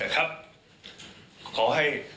ขอให้